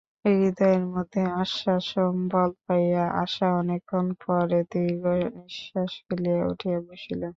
হৃদয়ের মধ্যে আশ্বাস ও বল পাইয়া আশা অনেকক্ষণ পরে দীর্ঘনিশ্বাস ফেলিয়া উঠিয়া বসিল।